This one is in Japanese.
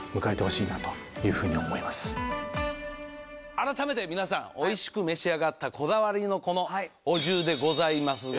改めて皆さんおいしく召し上がったこだわりのこのお重でございますが。